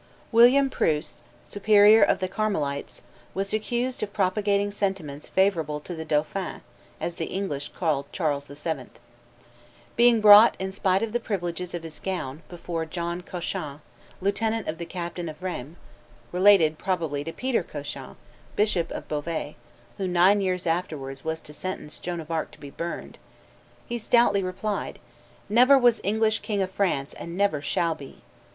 William Prieuse, superior of the Carmelites, was accused of propagating sentiments favorable to the dauphin, as the English called Charles VII. Being brought, in spite of the privileges of his gown, before John Cauchon, lieutenant of the captain of Rheims [related probably to Peter Cauchon, Bishop of Beauvais, who nine years afterwards was to sentence Joan of Arc to be burned], he stoutly replied, "Never was English king of France, and never shall be."